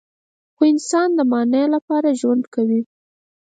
خو انسان د معنی لپاره ژوند کوي.